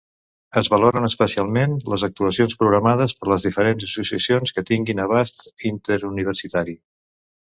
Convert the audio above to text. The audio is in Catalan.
Es valoren especialment les actuacions programades per les diferents associacions que tinguin abast interuniversitari.